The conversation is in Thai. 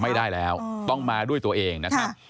ไม่ได้แล้วต้องมาด้วยตัวเองนะครับ